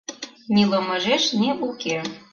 Ни ломыжеш, ни уке.